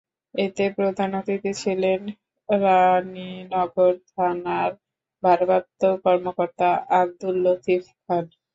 এতে প্রধান অতিথি ছিলেন রানীনগর থানার ভারপ্রাপ্ত কর্মকর্তা আবদুল লতিফ খান।